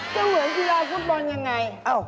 เสมือนกีฬาฟุตบอลอย่างไร